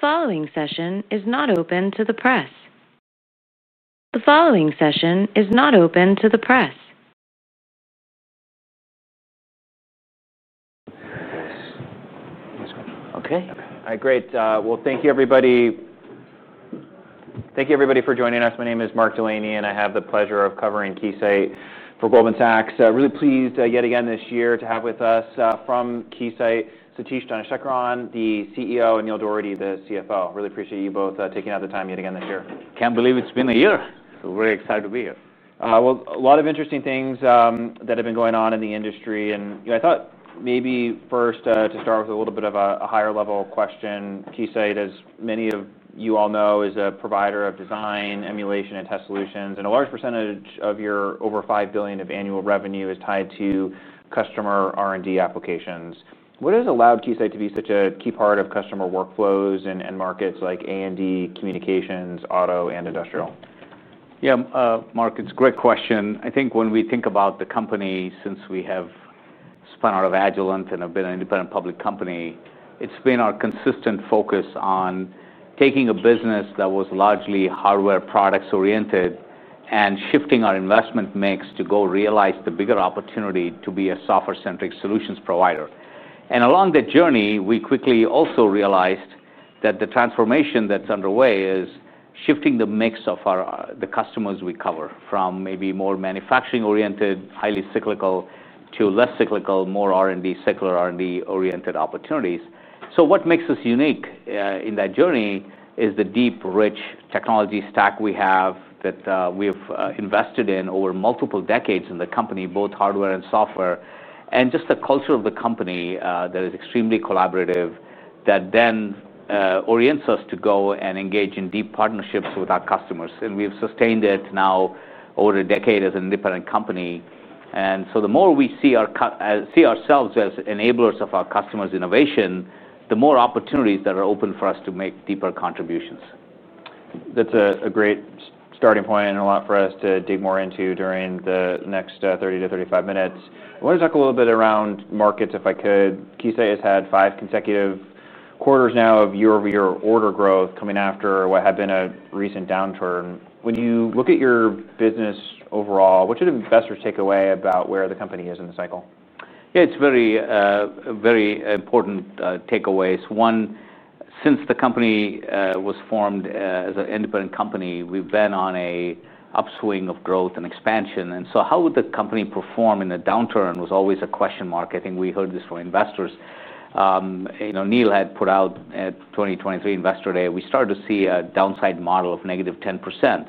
The following session is not open to the press. The following session is not open to the press. Okay. Okay. All right. Great. Thank you, everybody. Thank you, everybody, for joining us. My name is Mark Delaney, and I have the pleasure of covering Keysight for Goldman Sachs. Really pleased yet again this year to have with us from Keysight Satish Dhanasekaran, the CEO, and Neil Dougherty, the CFO. Really appreciate you both taking out the time yet again this year. Can't believe it's been a year. We're excited to be here. A lot of interesting things have been going on in the industry. I thought maybe first to start with a little bit of a higher-level question. Keysight, as many of you all know, is a provider of design, emulation, and test solutions. A large percentage of your over $5 billion of annual revenue is tied to customer R&D applications. What has allowed Keysight to be such a key part of customer workflows in markets like A&D, communications, auto, and industrial? Yeah, Mark, it's a great question. I think when we think about the company, since we have spun out of Agilent and have been an independent public company, it's been our consistent focus on taking a business that was largely hardware products-oriented and shifting our investment mix to go realize the bigger opportunity to be a software-centric solutions provider. Along that journey, we quickly also realized that the transformation that's underway is shifting the mix of the customers we cover from maybe more manufacturing-oriented, highly cyclical, to less cyclical, more R&D, cycler R&D-oriented opportunities. What makes us unique in that journey is the deep, rich technology stack we have that we have invested in over multiple decades in the company, both hardware and software, and just the culture of the company that is extremely collaborative that then orients us to go and engage in deep partnerships with our customers. We've sustained it now over a decade as an independent company. The more we see ourselves as enablers of our customers' innovation, the more opportunities that are open for us to make deeper contributions. That's a great starting point and a lot for us to dig more into during the next 30 to 35 minutes. I want to talk a little bit around markets, if I could. Keysight has had five consecutive quarters now of year-over-year order growth coming after what had been a recent downturn. When you look at your business overall, what should investors take away about where the company is in the cycle? Yeah, it's very important takeaways. One, since the company was formed as an independent company, we've been on an upswing of growth and expansion. How would the company perform in a downturn was always a question mark. I think we heard this from investors. Neil had put out at 2023 Investor Day, we started to see a downside model of negative 10%.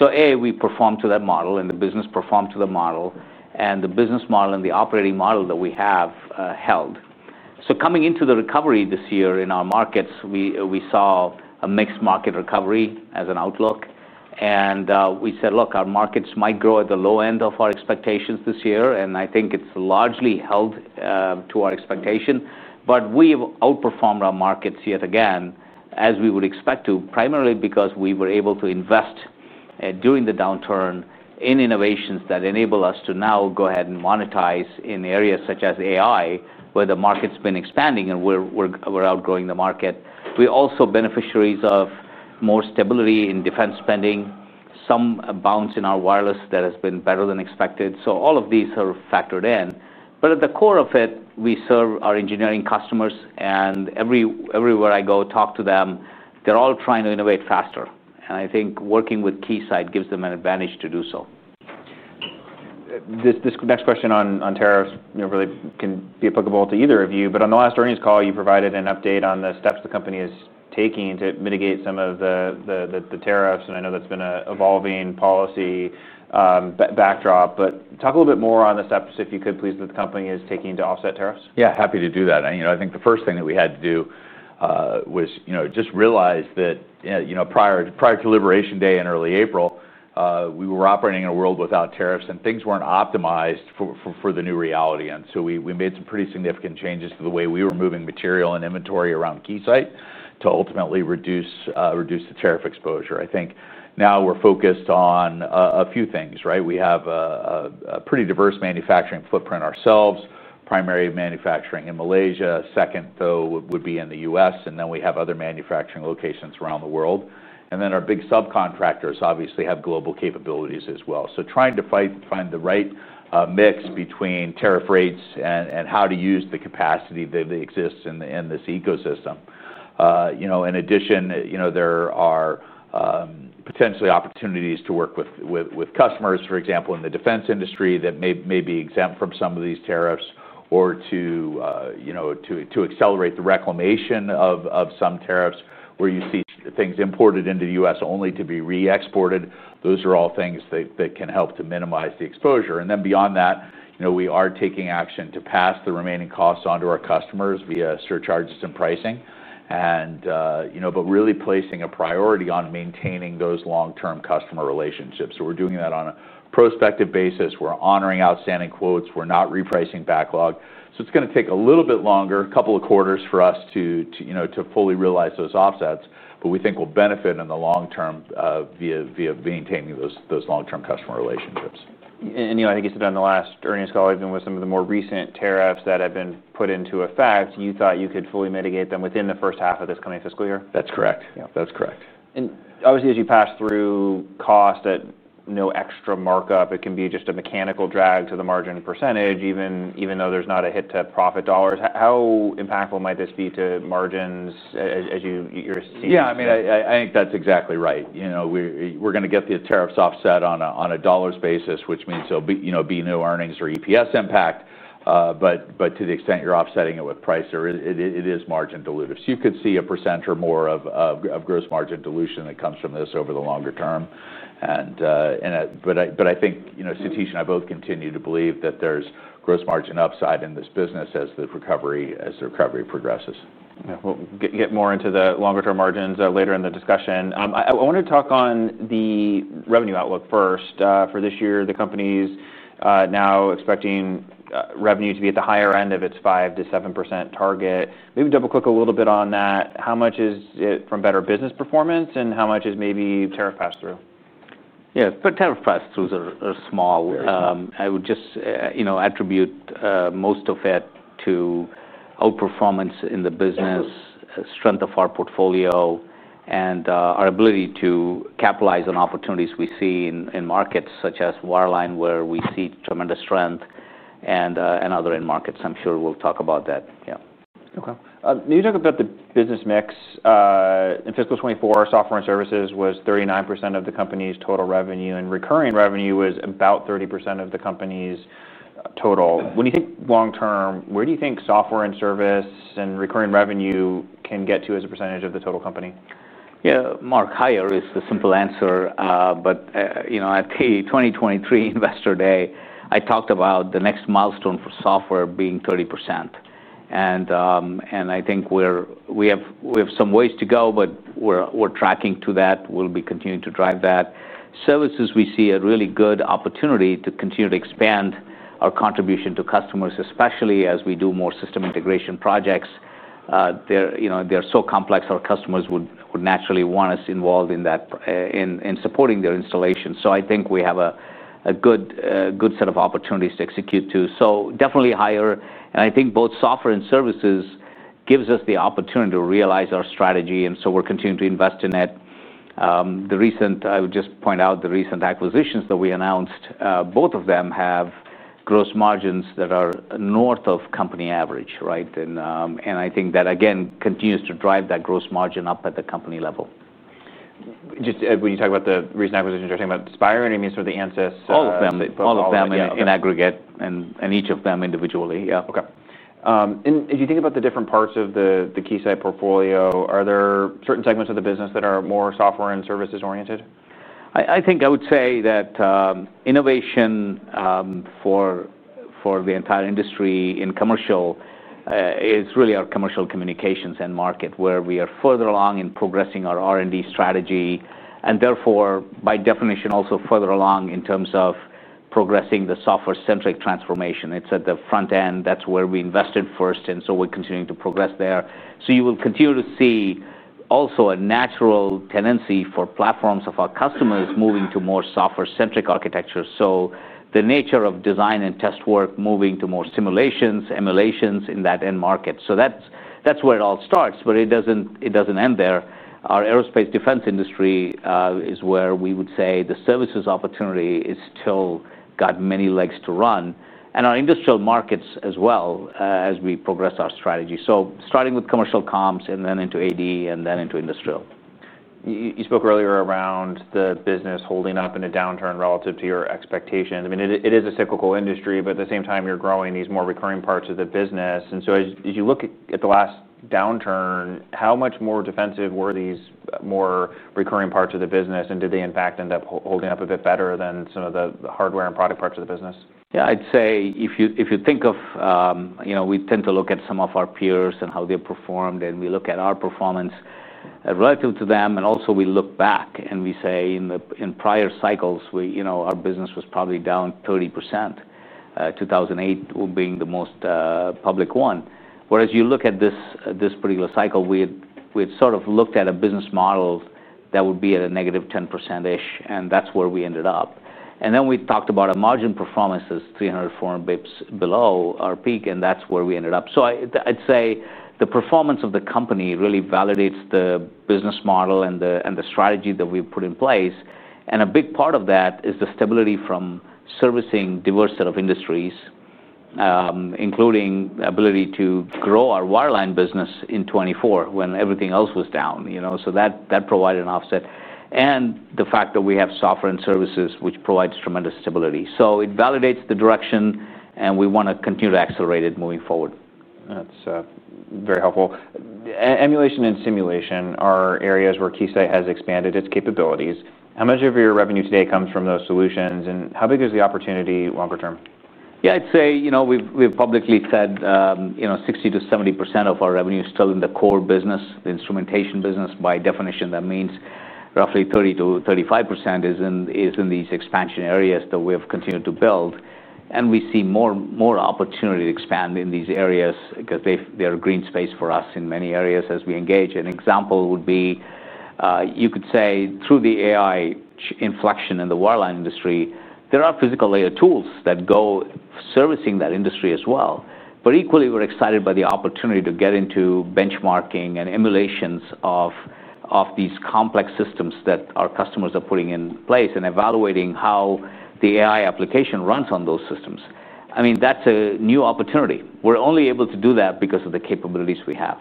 A, we performed to that model, and the business performed to the model, and the business model and the operating model that we have held. Coming into the recovery this year in our markets, we saw a mixed market recovery as an outlook. We said, look, our markets might grow at the low end of our expectations this year, and I think it's largely held to our expectation. We have outperformed our markets yet again, as we would expect to, primarily because we were able to invest during the downturn in innovations that enable us to now go ahead and monetize in areas such as AI, where the market's been expanding and we're outgrowing the market. We're also beneficiaries of more stability in defense spending, some bounce in our wireless that has been better than expected. All of these are factored in. At the core of it, we serve our engineering customers, and everywhere I go talk to them, they're all trying to innovate faster. I think working with Keysight gives them an advantage to do so. This next question on tariffs really can be applicable to either of you. On the last earnings call, you provided an update on the steps the company is taking to mitigate some of the tariffs. I know that's been an evolving policy backdrop. Talk a little bit more on the steps, if you could please, that the company is taking to offset tariffs. Yeah, happy to do that. I think the first thing that we had to do was just realize that prior to Liberation Day in early April, we were operating in a world without tariffs, and things weren't optimized for the new reality. We made some pretty significant changes to the way we were moving material and inventory around Keysight to ultimately reduce the tariff exposure. I think now we're focused on a few things. We have a pretty diverse manufacturing footprint ourselves, primary manufacturing in Malaysia, second though would be in the U.S., and then we have other manufacturing locations around the world. Our big subcontractors obviously have global capabilities as well. Trying to find the right mix between tariff rates and how to use the capacity that exists in this ecosystem. In addition, there are potentially opportunities to work with customers, for example, in the defense industry that may be exempt from some of these tariffs or to accelerate the reclamation of some tariffs where you see things imported into the U.S. only to be re-exported. Those are all things that can help to minimize the exposure. Beyond that, we are taking action to pass the remaining costs onto our customers via surcharges and pricing, but really placing a priority on maintaining those long-term customer relationships. We're doing that on a prospective basis. We're honoring outstanding quotes. We're not repricing backlog. It's going to take a little bit longer, a couple of quarters for us to fully realize those offsets, but we think we'll benefit in the long term via maintaining those long-term customer relationships. I think you said on the last earnings call, even with some of the more recent tariffs that have been put into effect, you thought you could fully mitigate them within the first half of this coming fiscal year? That's correct. That's correct. As you pass through cost at no extra markup, it can be just a mechanical drag to the margin %, even though there's not a hit to profit dollars. How impactful might this be to margins as you're seeing? Yeah, I mean, I think that's exactly right. We're going to get the tariffs offset on a dollars basis, which means there'll be no earnings or EPS impact. To the extent you're offsetting it with price, it is margin dilutive. You could see a % or more of gross margin dilution that comes from this over the longer term. I think Satish and I both continue to believe that there's gross margin upside in this business as the recovery progresses. We'll get more into the longer-term margins later in the discussion. I want to talk on the revenue outlook first for this year. The company is now expecting revenue to be at the higher end of its 5% to 7% target. Maybe double-click a little bit on that. How much is it from better business performance, and how much is maybe tariff pass-through? Tariff pass-throughs are small. I would just attribute most of it to outperformance in the business, strength of our portfolio, and our ability to capitalize on opportunities we see in markets such as wireline, where we see tremendous strength, and other end markets. I'm sure we'll talk about that. Okay. Now you talk about the business mix. In fiscal 2024, software and services was 39% of the company's total revenue, and recurring revenue was about 30% of the company's total. When you think long term, where do you think software and service and recurring revenue can get to as a percentage of the total company? Yeah, Mark, higher is the simple answer. At 2023 Investor Day, I talked about the next milestone for software being 30%. I think we have some ways to go, but we're tracking to that. We'll be continuing to drive that. Services, we see a really good opportunity to continue to expand our contribution to customers, especially as we do more system integration projects. They're so complex, our customers would naturally want us involved in supporting their installation. I think we have a good set of opportunities to execute too. Definitely higher. I think both software and services give us the opportunity to realize our strategy, and we're continuing to invest in it. I would just point out the recent acquisitions that we announced. Both of them have gross margins that are north of company average. I think that, again, continues to drive that gross margin up at the company level. When you talk about the recent acquisitions, you're talking about Spire, and you mean sort of the Ansys? All of them in aggregate, and each of them individually. Okay. As you think about the different parts of the Keysight portfolio, are there certain segments of the business that are more software and services oriented? I think I would say that innovation for the entire industry in commercial is really our commercial communications end market, where we are further along in progressing our R&D strategy, and therefore, by definition, also further along in terms of progressing the software-centric transformation. It's at the front end. That's where we invested first, and we're continuing to progress there. You will continue to see also a natural tendency for platforms of our customers moving to more software-centric architectures. The nature of design and test work is moving to more simulations, emulations in that end market. That's where it all starts, but it doesn't end there. Our aerospace defense industry is where we would say the services opportunity has still got many legs to run. Our industrial markets as well as we progress our strategy. Starting with commercial comms and then into aerospace defense and then into industrial. You spoke earlier around the business holding up in a downturn relative to your expectation. It is a cyclical industry, but at the same time, you're growing these more recurring parts of the business. As you look at the last downturn, how much more defensive were these more recurring parts of the business, and did they, in fact, end up holding up a bit better than some of the hardware and product parts of the business? Yeah, I'd say if you think of, you know, we tend to look at some of our peers and how they performed, and we look at our performance relative to them. We also look back and we say in prior cycles, our business was probably down 30%, 2008 being the most public one. Whereas you look at this particular cycle, we had sort of looked at a business model that would be at a negative 10%-ish, and that's where we ended up. We talked about a margin performance that's 300 basis points below our peak, and that's where we ended up. I'd say the performance of the company really validates the business model and the strategy that we've put in place. A big part of that is the stability from servicing a diverse set of industries, including the ability to grow our wireline business in 2024 when everything else was down. That provided an offset. The fact that we have software and services, which provides tremendous stability, validates the direction, and we want to continue to accelerate it moving forward. That's very helpful. Emulation and simulation are areas where Keysight has expanded its capabilities. How much of your revenue today comes from those solutions, and how big is the opportunity longer term? Yeah, I'd say we've publicly said 60% to 70% of our revenue is still in the core business, the instrumentation business. By definition, that means roughly 30% to 35% is in these expansion areas that we have continued to build. We see more opportunity to expand in these areas because they're a green space for us in many areas as we engage. An example would be, you could say through the AI inflection in the wireline industry, there are physical layer tools that go servicing that industry as well. Equally, we're excited by the opportunity to get into benchmarking and emulations of these complex systems that our customers are putting in place and evaluating how the AI application runs on those systems. I mean, that's a new opportunity. We're only able to do that because of the capabilities we have.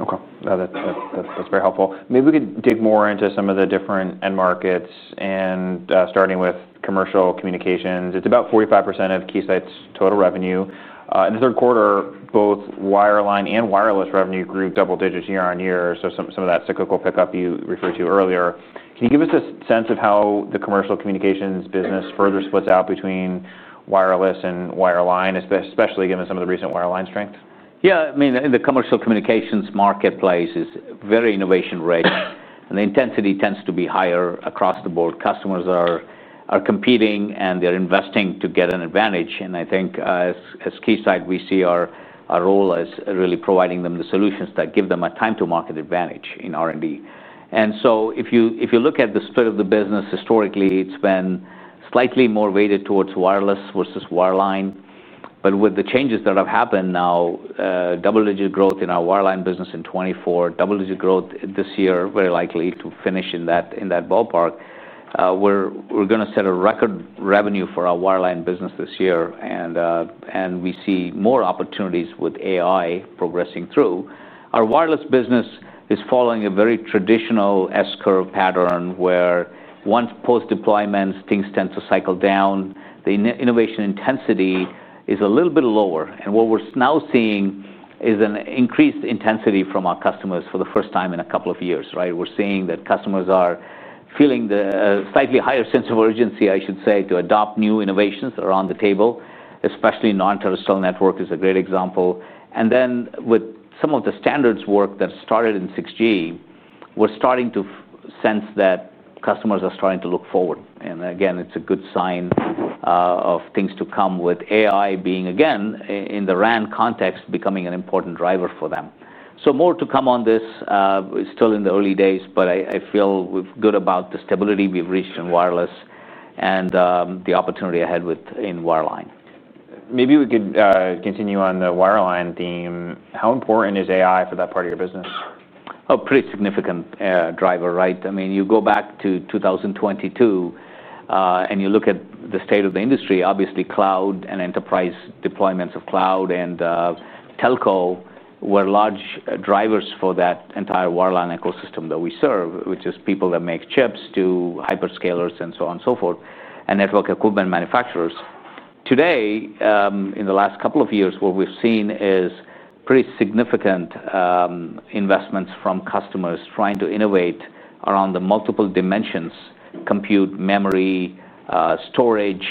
Okay. That's very helpful. Maybe we could dig more into some of the different end markets and starting with commercial communications. It's about 45% of Keysight's total revenue. In the third quarter, both wireline and wireless revenue grew double digits year on year. Some of that cyclical pickup you referred to earlier. Can you give us a sense of how the commercial communications business further splits out between wireless and wireline, especially given some of the recent wireline strength? Yeah, I mean, the commercial communications marketplace is very innovation-rich, and the intensity tends to be higher across the board. Customers are competing, and they're investing to get an advantage. I think as Keysight, we see our role as really providing them the solutions that give them a time-to-market advantage in R&D. If you look at the split of the business historically, it's been slightly more weighted towards wireless versus wireline. With the changes that have happened now, double-digit growth in our wireline business in 2024, double-digit growth this year, very likely to finish in that ballpark. We're going to set a record revenue for our wireline business this year, and we see more opportunities with AI progressing through. Our wireless business is following a very traditional S-curve pattern where once post-deployments, things tend to cycle down. The innovation intensity is a little bit lower. What we're now seeing is an increased intensity from our customers for the first time in a couple of years. We're seeing that customers are feeling the slightly higher sense of urgency, I should say, to adopt new innovations that are on the table. Especially non-terrestrial network is a great example. With some of the standards work that started in 6G, we're starting to sense that customers are starting to look forward. Again, it's a good sign of things to come with AI being, again, in the RAN context, becoming an important driver for them. More to come on this. It's still in the early days, but I feel we're good about the stability we've reached in wireless and the opportunity ahead in wireline. Maybe we could continue on the wireline theme. How important is AI for that part of your business? Oh, pretty significant driver, right? I mean, you go back to 2022 and you look at the state of the industry, obviously cloud and enterprise deployments of cloud and telco were large drivers for that entire wireline ecosystem that we serve, which is people that make chips to hyperscalers and so on and so forth, and network equipment manufacturers. Today, in the last couple of years, what we've seen is pretty significant investments from customers trying to innovate around the multiple dimensions: compute, memory, storage,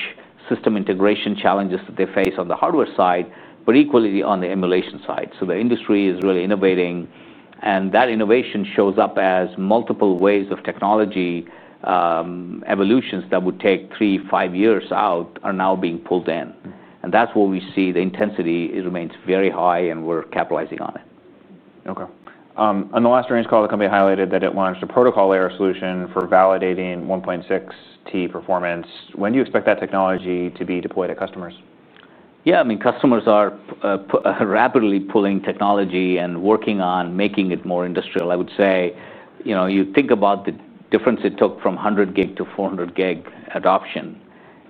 system integration challenges that they face on the hardware side, but equally on the emulation side. The industry is really innovating, and that innovation shows up as multiple waves of technology evolutions that would take three to five years out are now being pulled in. That's where we see the intensity remains very high, and we're capitalizing on it. Okay. On the last earnings call, the company highlighted that it launched a protocol layer solution for validating 1.6 Tbps performance. When do you expect that technology to be deployed at customers? Yeah, I mean, customers are rapidly pulling technology and working on making it more industrial. I would say you think about the difference it took from 100G to 400G adoption,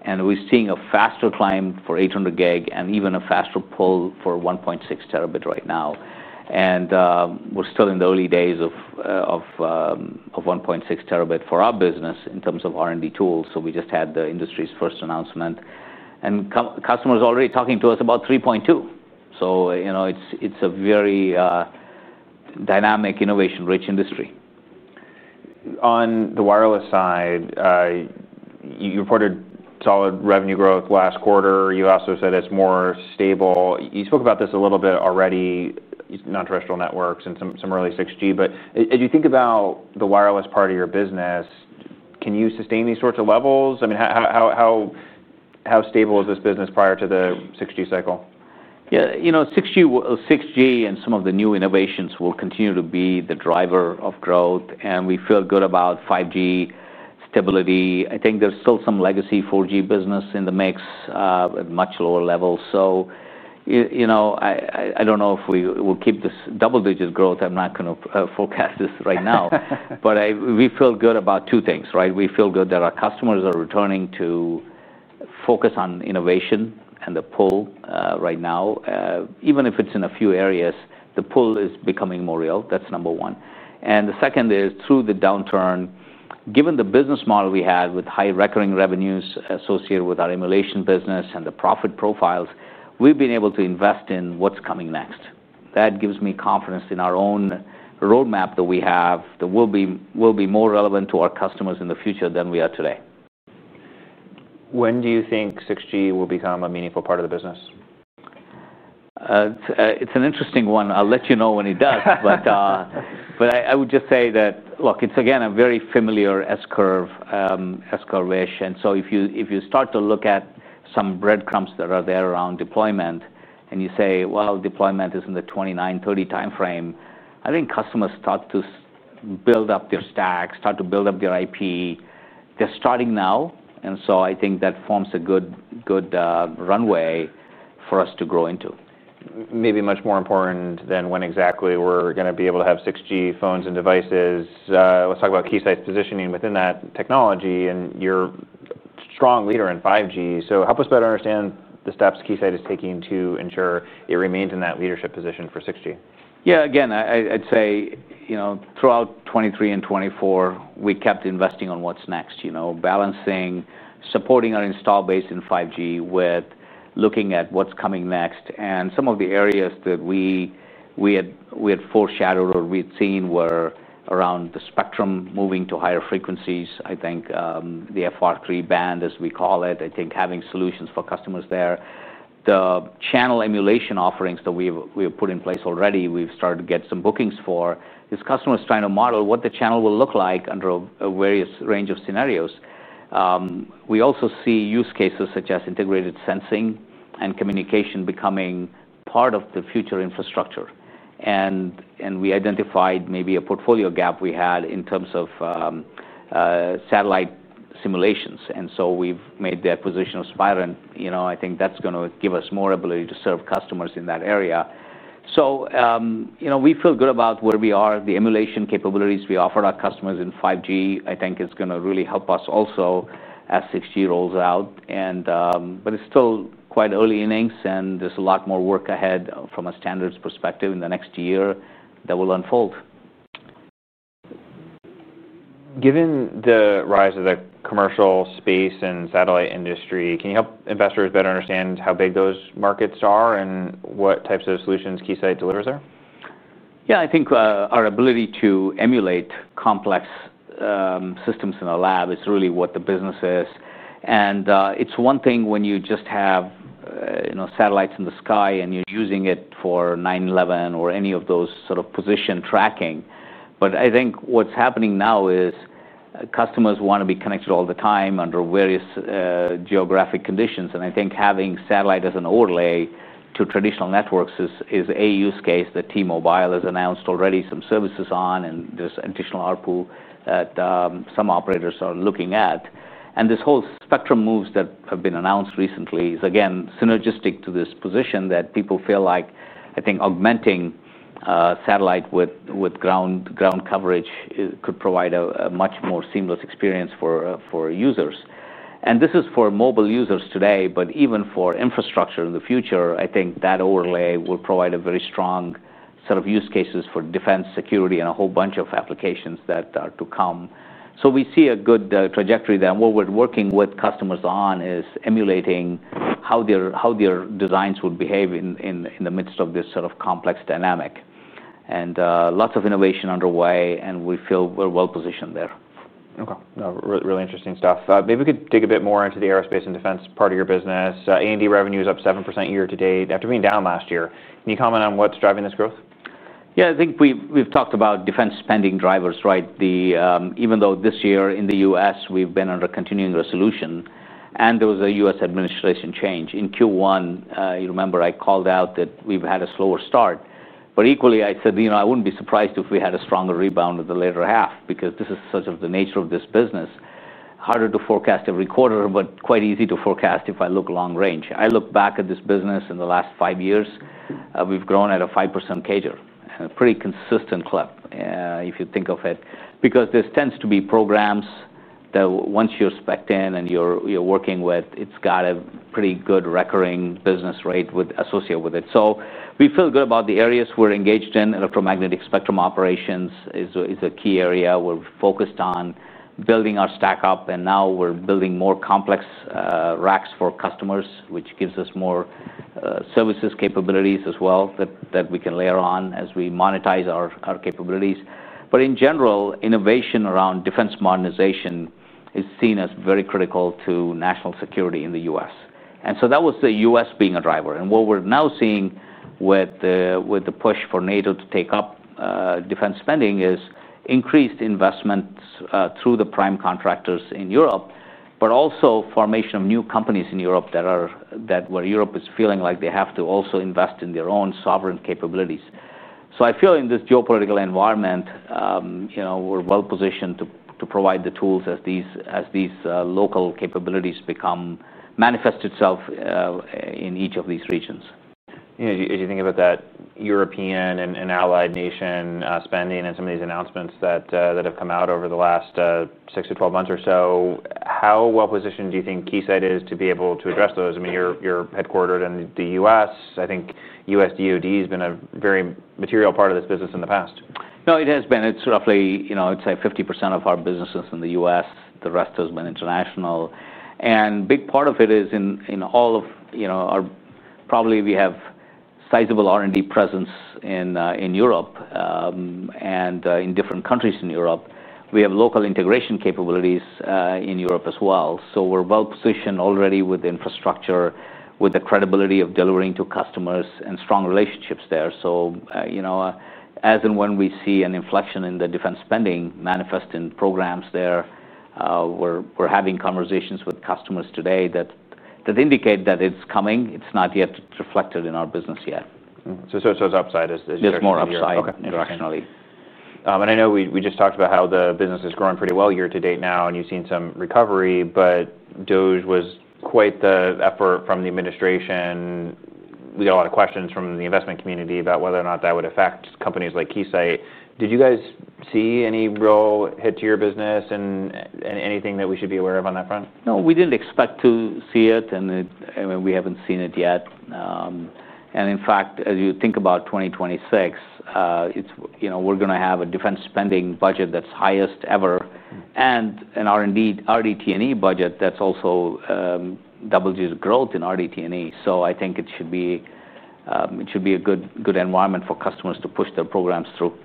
and we're seeing a faster climb for 800G and even a faster pull for 1.6 Tbps right now. We're still in the early days of 1.6 Tbps for our business in terms of R&D tools. We just had the industry's first announcement, and customers are already talking to us about 3.2. It's a very dynamic, innovation-rich industry. On the wireless side, you reported solid revenue growth last quarter. You also said it's more stable. You spoke about this a little bit already, non-terrestrial networks and some early 6G. As you think about the wireless part of your business, can you sustain these sorts of levels? I mean, how stable was this business prior to the 6G cycle? Yeah, you know, 6G and some of the new innovations will continue to be the driver of growth, and we feel good about 5G stability. I think there's still some legacy 4G business in the mix at much lower levels. I don't know if we will keep this double-digit growth. I'm not going to forecast this right now. We feel good about two things, right? We feel good that our customers are returning to focus on innovation and the pull right now. Even if it's in a few areas, the pull is becoming more real. That's number one. The second is through the downturn, given the business model we had with high recurring revenues associated with our emulation business and the profit profiles, we've been able to invest in what's coming next. That gives me confidence in our own roadmap that we have that will be more relevant to our customers in the future than we are today. When do you think 6G will become a meaningful part of the business? It's an interesting one. I'll let you know when it does. I would just say that, look, it's again a very familiar S-curve-ish. If you start to look at some breadcrumbs that are there around deployment and you say deployment is in the 2029-2030 timeframe, I think customers start to build up their stack, start to build up their IP. They're starting now. I think that forms a good runway for us to grow into. Maybe much more important than when exactly we're going to be able to have 6G phones and devices, let's talk about Keysight's positioning within that technology. You're a strong leader in 5G, so help us better understand the steps Keysight is taking to ensure it remains in that leadership position for 6G. Yeah, again, I'd say throughout 2023 and 2024, we kept investing on what's next, balancing supporting our install base in 5G with looking at what's coming next. Some of the areas that we had foreshadowed or we'd seen were around the spectrum moving to higher frequencies. I think the FR3 band, as we call it, I think having solutions for customers there. The channel emulation offerings that we have put in place already, we've started to get some bookings for. This customer is trying to model what the channel will look like under a various range of scenarios. We also see use cases such as integrated sensing and communication becoming part of the future infrastructure. We identified maybe a portfolio gap we had in terms of satellite simulations. We made the acquisition of Spire, and I think that's going to give us more ability to serve customers in that area. We feel good about where we are, the emulation capabilities we offered our customers in 5G. I think it's going to really help us also as 6G rolls out. It's still quite early innings, and there's a lot more work ahead from a standards perspective in the next year that will unfold. Given the rise of the commercial space and satellite industry, can you help investors better understand how big those markets are and what types of solutions Keysight delivers there? Yeah, I think our ability to emulate complex systems in a lab is really what the business is. It's one thing when you just have satellites in the sky and you're using it for 9/11 or any of those sort of position tracking. I think what's happening now is customers want to be connected all the time under various geographic conditions. I think having satellite as an overlay to traditional networks is a use case that T-Mobile has announced already some services on, and there's additional ARPU that some operators are looking at. This whole spectrum moves that have been announced recently is again synergistic to this position that people feel like, I think, augmenting satellite with ground coverage could provide a much more seamless experience for users. This is for mobile users today, but even for infrastructure in the future, I think that overlay will provide a very strong set of use cases for defense, security, and a whole bunch of applications that are to come. We see a good trajectory there. What we're working with customers on is emulating how their designs would behave in the midst of this sort of complex dynamic. Lots of innovation underway, and we feel we're well positioned there. Okay. Really interesting stuff. Maybe we could dig a bit more into the aerospace and defense part of your business. A&D revenue is up 7% year to date after being down last year. Can you comment on what's driving this growth? Yeah, I think we've talked about defense spending drivers, right? Even though this year in the U.S., we've been under continuing resolution and there was a U.S. administration change. In Q1, you remember I called out that we've had a slower start. Equally, I said, you know, I wouldn't be surprised if we had a stronger rebound in the later half because this is sort of the nature of this business. Harder to forecast every quarter, but quite easy to forecast if I look long range. I look back at this business in the last five years. We've grown at a 5% CAGR. Pretty consistent clip if you think of it because this tends to be programs that once you're specced in and you're working with, it's got a pretty good recurring business rate associated with it. We feel good about the areas we're engaged in. Electromagnetic spectrum operations is a key area where we're focused on building our stack up. Now we're building more complex racks for customers, which gives us more services capabilities as well that we can layer on as we monetize our capabilities. In general, innovation around defense modernization is seen as very critical to national security in the U.S. That was the U.S. being a driver. What we're now seeing with the push for NATO to take up defense spending is increased investments through the prime contractors in Europe, but also formation of new companies in Europe where Europe is feeling like they have to also invest in their own sovereign capabilities. I feel in this geopolitical environment, you know, we're well positioned to provide the tools as these local capabilities manifest itself in each of these regions. As you think about that European and allied nation spending and some of these announcements that have come out over the last 6 to 12 months or so, how well positioned do you think Keysight is to be able to address those? I mean, you're headquartered in the U.S. I think U.S. DOD has been a very material part of this business in the past. No, it has been. It's roughly, you know, I'd say 50% of our business is in the U.S. The rest has been international. A big part of it is in all of, you know, probably we have sizable R&D presence in Europe and in different countries in Europe. We have local integration capabilities in Europe as well. We're well positioned already with infrastructure, with the credibility of delivering to customers and strong relationships there. As and when we see an inflection in the defense spending manifest in programs there, we're having conversations with customers today that indicate that it's coming. It's not yet reflected in our business yet. It's upside as you're going forward. There's more upside internationally. I know we just talked about how the business has grown pretty well year to date now, and you've seen some recovery, but DOGE was quite the effort from the administration. We got a lot of questions from the investment community about whether or not that would affect companies like Keysight. Did you guys see any real hit to your business and anything that we should be aware of on that front? No, we didn't expect to see it, and we haven't seen it yet. In fact, as you think about 2026, we're going to have a defense spending budget that's highest ever and an RDT&E budget that's also double-digit growth in RDT&E. I think it should be a good environment for customers to push their programs through.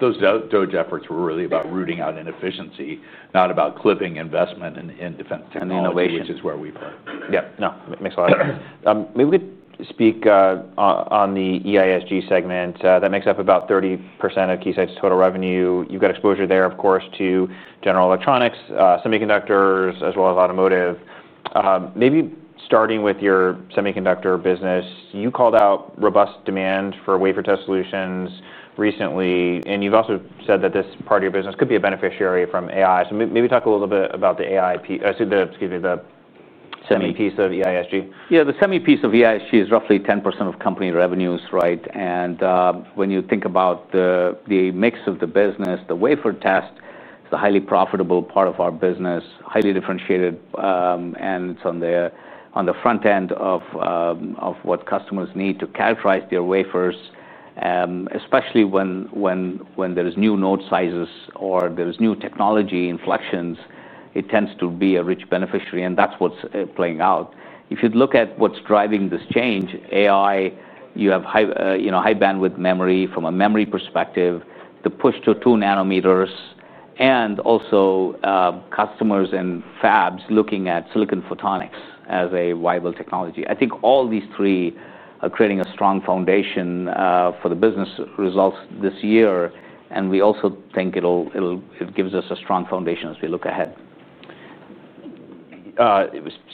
Those DOE efforts were really about rooting out inefficiency, not about clipping investment in defense technology, which is where we play. Yeah, no, it makes a lot of sense. Maybe we could speak on the EISG segment that makes up about 30% of Keysight's total revenue. You've got exposure there, of course, to general electronics, semiconductors, as well as automotive. Maybe starting with your semiconductor business, you called out robust demand for wafer test solutions recently, and you've also said that this part of your business could be a beneficiary from AI. Maybe talk a little bit about the AI piece, excuse me, the semi-piece of EISG. Yeah, the semi-piece of EISG is roughly 10% of company revenues, right? When you think about the mix of the business, the wafer test is the highly profitable part of our business, highly differentiated, and it's on the front end of what customers need to characterize their wafers. Especially when there's new node sizes or there's new technology inflections, it tends to be a rich beneficiary, and that's what's playing out. If you look at what's driving this change, AI, you have high bandwidth memory from a memory perspective, the push to 2 nanometers, and also customers and fabs looking at silicon photonics as a viable technology. I think all these three are creating a strong foundation for the business results this year, and we also think it gives us a strong foundation as we look ahead.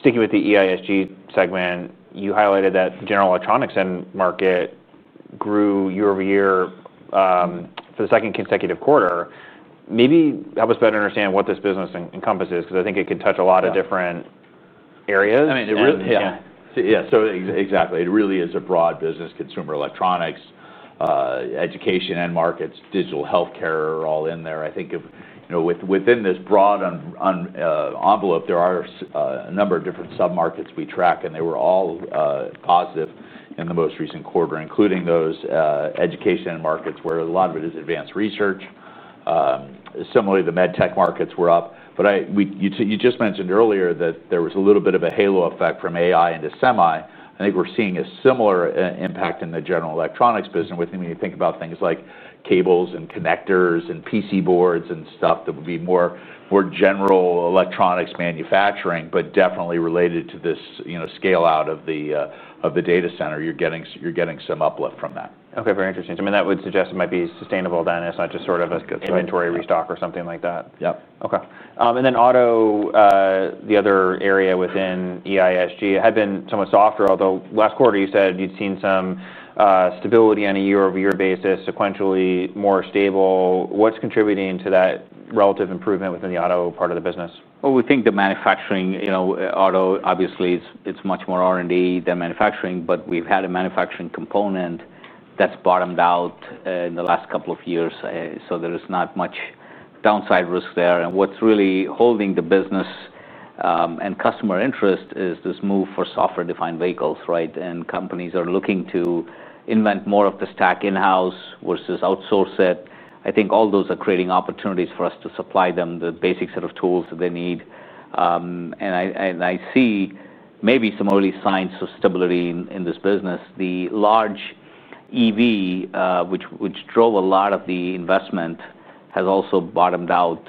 Sticking with the EISG segment, you highlighted that general electronics end market grew year over year for the second consecutive quarter. Maybe help us better understand what this business encompasses, because I think it could touch a lot of different areas. Yeah, so exactly. It really is a broad business, consumer electronics, education end markets, digital healthcare are all in there. I think within this broad envelope, there are a number of different submarkets we track, and they were all positive in the most recent quarter, including those education end markets where a lot of it is advanced research. Similarly, the med tech markets were up. You just mentioned earlier that there was a little bit of a halo effect from AI into semi. I think we're seeing a similar impact in the general electronics business. When you think about things like cables and connectors and PC boards and stuff, that would be more general electronics manufacturing, but definitely related to this scale-out of the data center, you're getting some uplift from that. Okay, very interesting. That would suggest it might be sustainable then. It's not just sort of an inventory restock or something like that. Yep. Okay. The other area within EISG had been somewhat softer, although last quarter you said you'd seen some stability on a year-over-year basis, sequentially more stable. What's contributing to that relative improvement within the auto part of the business? We think the manufacturing, you know, auto, obviously it's much more R&D than manufacturing, but we've had a manufacturing component that's bottomed out in the last couple of years. There is not much downside risk there. What's really holding the business and customer interest is this move for software-defined vehicles, right? Companies are looking to invent more of the stack in-house versus outsource it. I think all those are creating opportunities for us to supply them the basic set of tools that they need. I see maybe some early signs of stability in this business. The large EV, which drove a lot of the investment, has also bottomed out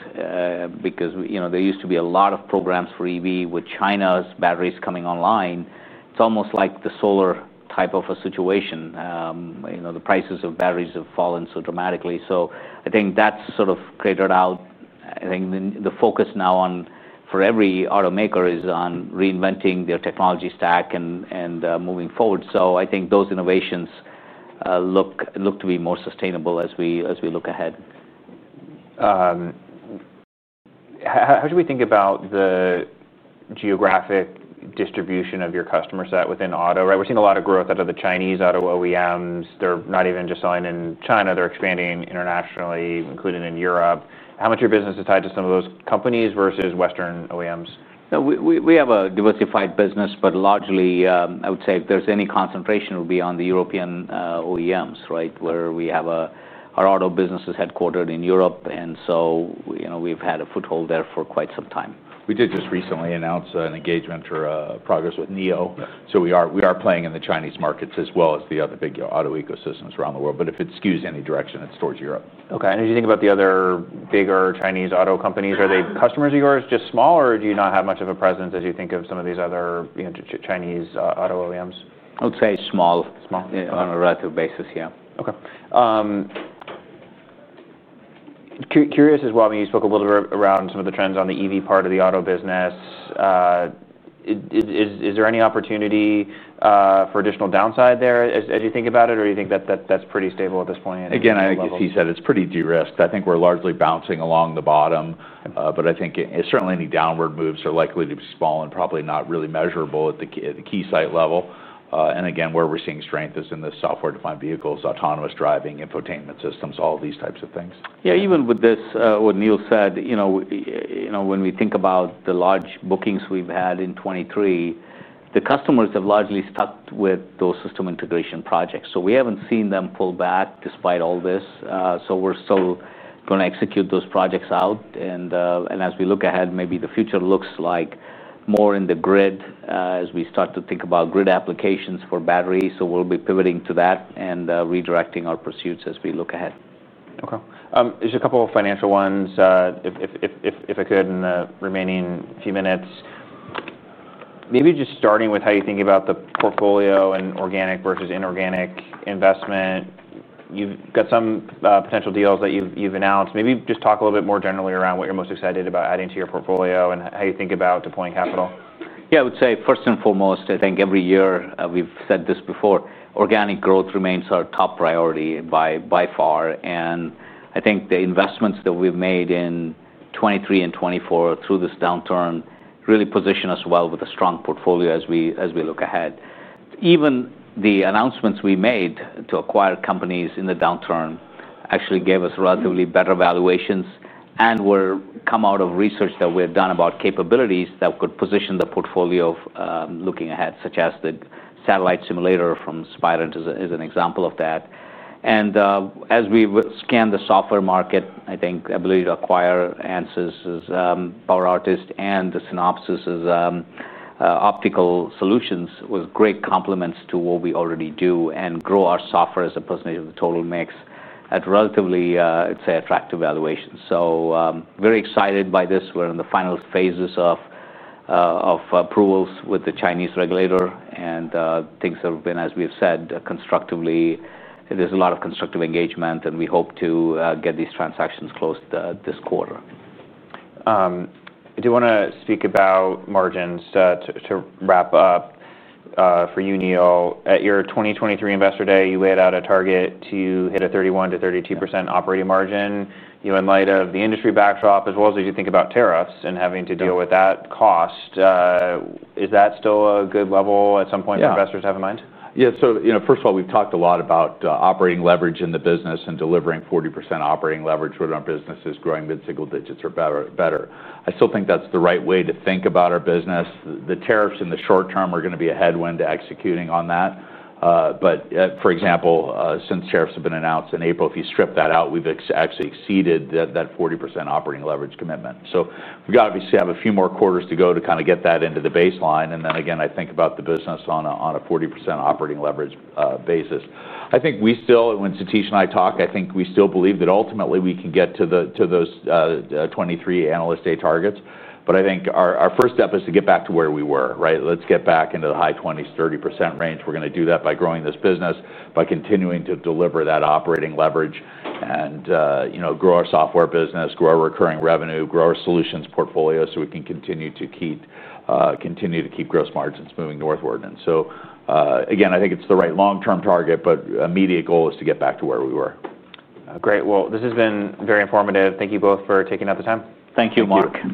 because there used to be a lot of programs for EV with China's batteries coming online. It's almost like the solar type of a situation. The prices of batteries have fallen so dramatically. I think that's sort of cratered out. I think the focus now for every automaker is on reinventing their technology stack and moving forward. I think those innovations look to be more sustainable as we look ahead. How should we think about the geographic distribution of your customer set within auto? We're seeing a lot of growth out of the Chinese auto OEMs. They're not even just selling in China. They're expanding internationally, including in Europe. How much of your business is tied to some of those companies versus Western OEMs? We have a diversified business, but largely, I would say if there's any concentration, it would be on the European OEMs, right, where our auto business is headquartered in Europe, and we've had a foothold there for quite some time. We did just recently announce an engagement or progress with NIO. We are playing in the Chinese markets as well as the other big auto ecosystems around the world. If it skews any direction, it's towards Europe. Okay. As you think about the other bigger Chinese auto companies, are they customers of yours? Just small, or do you not have much of a presence as you think of some of these other Chinese auto OEMs? I would say small. On a relative basis, yeah. Okay. Curious as well, I mean, you spoke a little bit around some of the trends on the EV part of the auto business. Is there any opportunity for additional downside there as you think about it, or do you think that that's pretty stable at this point? I think as he said, it's pretty de-risked. I think we're largely bouncing along the bottom, but I think certainly any downward moves are likely to be small and probably not really measurable at the Keysight level. Again, where we're seeing strength is in the software-defined vehicles, autonomous driving, infotainment systems, all of these types of things. Yeah, even with this, what Neil said, you know, when we think about the large bookings we've had in 2023, the customers have largely stuck with those system integration projects. We haven't seen them pull back despite all this. We're still going to execute those projects out. As we look ahead, maybe the future looks like more in the grid as we start to think about grid applications for batteries. We'll be pivoting to that and redirecting our pursuits as we look ahead. Okay. Just a couple of financial ones, if I could, in the remaining few minutes. Maybe just starting with how you think about the portfolio and organic versus inorganic investment. You've got some potential deals that you've announced. Maybe just talk a little bit more generally around what you're most excited about adding to your portfolio and how you think about deploying capital. Yeah, I would say first and foremost, I think every year we've said this before, organic growth remains our top priority by far. I think the investments that we've made in 2023 and 2024 through this downturn really position us well with a strong portfolio as we look ahead. Even the announcements we made to acquire companies in the downturn actually gave us relatively better valuations and come out of research that we had done about capabilities that could position the portfolio looking ahead, such as the satellite simulator from Spire is an example of that. As we scan the software market, I think the ability to acquire Ansys Power Artist and the Synopsys Optical Solutions was great complements to what we already do and grow our software as a percentage of the total mix at relatively, I'd say, attractive valuations. Very excited by this. We're in the final phases of approvals with the Chinese regulator, and things have been, as we've said, constructive. There's a lot of constructive engagement, and we hope to get these transactions closed this quarter. I do want to speak about margins to wrap up for you, Neil. At your 2023 Investor Day, you laid out a target to hit a 31% to 32% operating margin. In light of the industry backdrop, as well as as you think about tariffs and having to deal with that cost, is that still a good level at some point that investors have in mind? Yeah, so you know, first of all, we've talked a lot about operating leverage in the business and delivering 40% operating leverage when our business is growing mid-single digits or better. I still think that's the right way to think about our business. The tariffs in the short term are going to be a headwind to executing on that. For example, since tariffs have been announced in April, if you strip that out, we've actually exceeded that 40% operating leverage commitment. We obviously have a few more quarters to go to kind of get that into the baseline. I think about the business on a 40% operating leverage basis. I think we still, when Satish and I talk, I think we still believe that ultimately we can get to those 2023 analyst day targets. I think our first step is to get back to where we were, right? Let's get back into the high 20% to 30% range. We're going to do that by growing this business, by continuing to deliver that operating leverage and, you know, grow our software business, grow our recurring revenue, grow our solutions portfolio so we can continue to keep gross margins moving northward. I think it's the right long-term target, but immediate goal is to get back to where we were. Great. This has been very informative. Thank you both for taking out the time. Thank you, Mark.